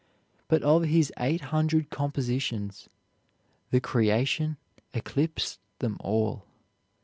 But of his eight hundred compositions, "The Creation" eclipsed them all.